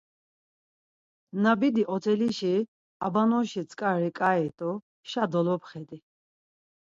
Na bidi otelişi abanoşi tzk̆ari k̆ai t̆u, şa dolopxedi.